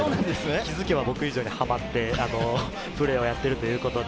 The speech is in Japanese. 気付けば僕以上にはまって、プレーをやってるということで。